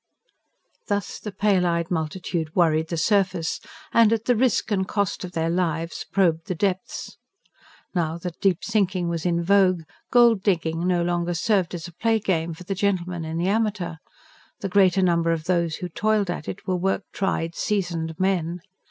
Thus the pale eyed multitude worried the surface, and, at the risk and cost of their lives, probed the depths. Now that deep sinking was in vogue, gold digging no longer served as a play game for the gentleman and the amateur; the greater number of those who toiled at it were work tried, seasoned men.